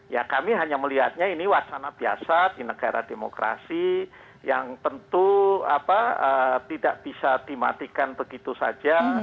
ya kami hanya melihatnya ini wacana biasa di negara demokrasi yang tentu tidak bisa dimatikan begitu saja